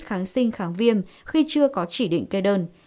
kháng sinh kháng viêm khi chưa có chỉ định kê đơn